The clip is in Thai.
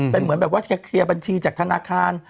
เป็นเหมือนแบบว่าจะเคลียร์บัญชีจากธนาคาร